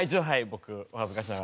僕お恥ずかしながら。